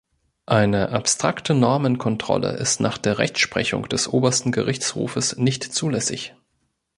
Eine abstrakte Normenkontrolle ist nach der Rechtsprechung des Obersten Gerichtshofes nicht zulässig.